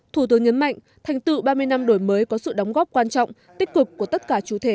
thủ tướng nhấn mạnh thành tựu ba mươi năm đổi mới có sự đóng góp quan trọng tích cực của tất cả chủ thể